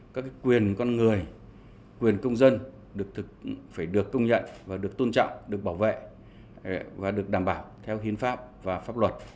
các quyền con người quyền công dân phải được công nhận và được tôn trọng được bảo vệ